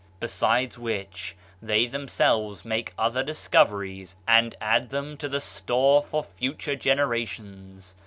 Besides which, they themselves make other discoveries and add them to the store for future generations.